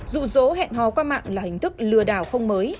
dụ dỗ hẹn hò qua mạng là hình thức lừa đảo không mới